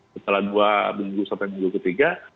setelah dua minggu sampai minggu ketiga